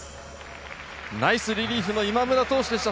ナイスリリーフの今村投手でした。